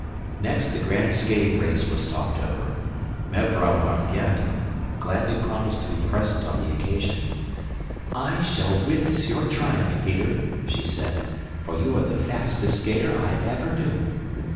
Next the grand skating race was talked over; Mevrouw van Gend gladly promised to be present on the occasion. "I shall witness your triumph, Peter," she said, "for you are the fastest skater I ever knew."